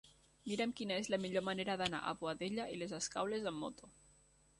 Mira'm quina és la millor manera d'anar a Boadella i les Escaules amb moto.